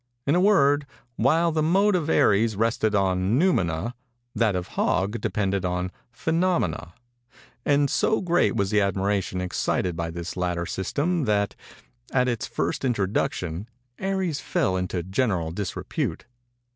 In a word, while the mode of Aries rested on noumena, that of Hog depended on phenomena; and so great was the admiration excited by this latter system that, at its first introduction, Aries fell into general disrepute.